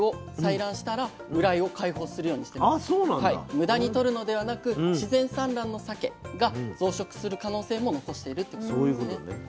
無駄にとるのではなく自然産卵のさけが増殖する可能性も残しているということなんですね。